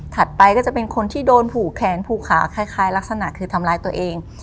ไปก็จะเป็นคนที่โดนผูกแขนผูกขาคล้ายลักษณะคือทำร้ายตัวเอง